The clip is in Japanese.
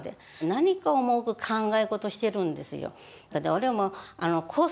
何かを重く考え事をしてるんですよ。